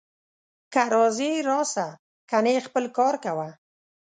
که راځې راسه، کنې خپل کار کوه